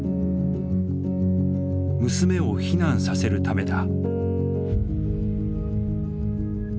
娘を避難させるためだ。